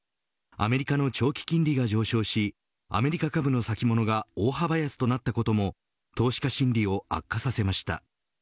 アメリカの長期金利が上昇しアメリカ株の先物が大幅安となったことも投資家心理を悪化させました。